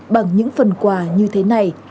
bằng những phần quà như thế này